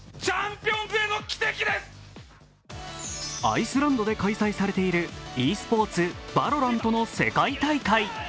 アイスランドで開催されているｅスポーツＶＡＬＯＲＡＮＴの世界大会。